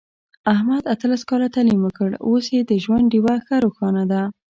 احمد اتلس کاله تعلیم وکړ، اوس یې د ژوند ډېوه ښه روښانه ده.